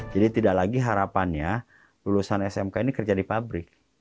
jadi tidak lagi harapannya lulusan smk ini kerja di pabrik